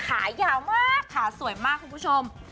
ขายาวมากขาสวยมากคุณผู้ชม